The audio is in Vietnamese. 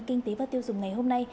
kinh tế và tiêu dùng ngày hôm nay